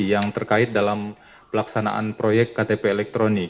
yang terkait dalam pelaksanaan proyek ktp elektronik